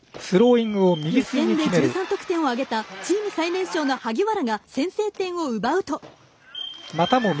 予選で１３得点をあげたチーム最年少の萩原が先制点を奪うと。